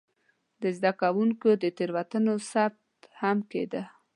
د زده کوونکو د تېروتنو ثبت هم کېده.